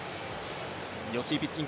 吉井ピッチング